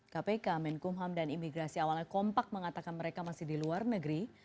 kpk menkumham dan imigrasi awalnya kompak mengatakan mereka masih di luar negeri